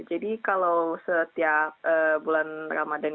jadi kalau setiap bulan ramadan